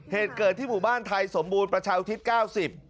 เหตุเกิดที่หมู่บ้านไทยสมบูรณ์ประชาอุทิศเก้าสิบ